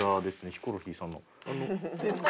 ヒコロヒーさんの。